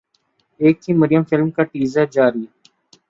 ایک تھی مریم فلم کا ٹیزر جاری